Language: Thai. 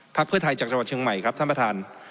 เพื่อไทยจากจังหวัดเชียงใหม่ครับท่านประธาน